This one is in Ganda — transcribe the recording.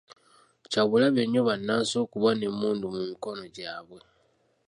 Kyabulabe nnyo bannansi okuba n'emmundu mu mikono gyabwe.